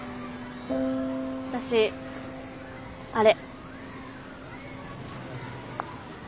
私あれ。